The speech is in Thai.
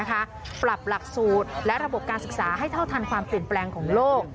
ปรับหลักสูตรและระบบการศึกษาให้เท่าทันความเปลี่ยนแปลงของโลก